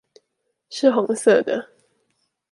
是紅色的